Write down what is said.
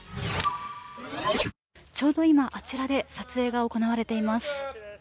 ちょうど今、あちらで撮影が行われています。